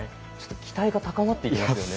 期待が高まっていきますよね。